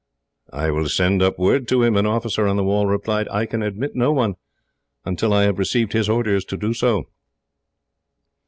"I will send up word to him," an officer on the wall replied. "I can admit no one, until I have received his orders to do so."